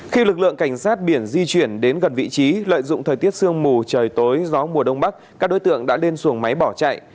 khi lực lượng cảnh sát biển di chuyển đến gần vị trí lợi dụng thời tiết sương mù trời tối gió mùa đông bắc các đối tượng đã lên xuồng máy bỏ chạy